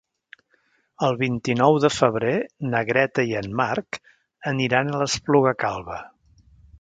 El vint-i-nou de febrer na Greta i en Marc aniran a l'Espluga Calba.